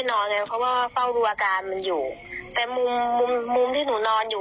ส่งแชร์ไปหาคุณแม่ของพี่ขวัญนะคะ